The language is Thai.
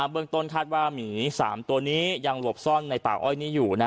เบื้องต้นคาดว่าหมี๓ตัวนี้ยังหลบซ่อนในป่าอ้อยนี้อยู่